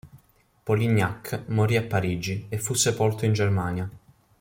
Polignac morì a Parigi e fu sepolto in Germania.